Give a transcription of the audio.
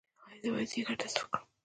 ایا زه باید د ځیګر ټسټ وکړم؟